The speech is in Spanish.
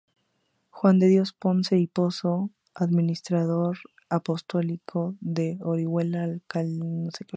Juan de Dios Ponce y Pozo, Administrador apostólico de Orihuela-Alicante.